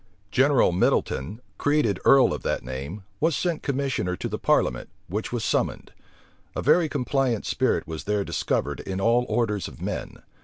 General Middleton, created earl of that name, was sent commissioner to the parliament, which was summoned. A very compliant spirit was there discovered in all orders of men.